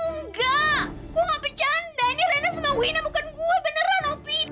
nggak gue nggak bercanda ini rena sama wina bukan gue beneran opi